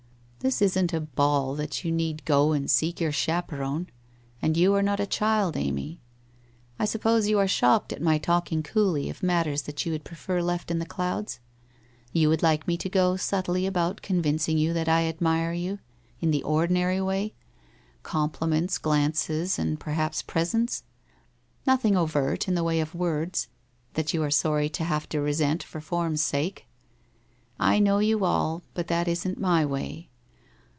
1 This isn't a ball that you need go and seek your chap eron. And you are not a child, Amy. I suppose you are shocked at my talking coolly of matters that you would prefer left in the clouds? You would like me to go subtly about convincing you that I admire you, in the ordinary way, compliments, glances, and perhaps pres ents? Xothing overt, in the way of words, that you are sorry to have to resent for form's sake! I know you all. But that isn't my way.